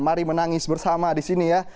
mari menangis bersama di sini ya